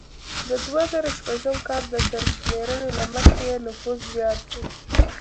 د دوه زره شپږم کال د سرشمیرنې له مخې یې نفوس زیات دی